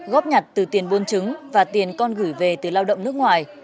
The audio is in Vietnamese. góp nhặt từ tiền buôn trứng và tiền con gửi về từ lao động nước ngoài